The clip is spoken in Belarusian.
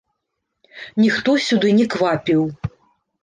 Ніхто сюды не квапіў.